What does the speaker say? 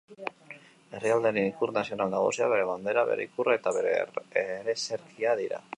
Herrialdearen ikur nazional nagusiak bere bandera, bere ikurra eta bere ereserkia dira.